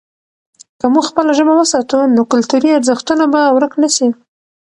که موږ خپله ژبه وساتو، نو کلتوري ارزښتونه به ورک نه سي.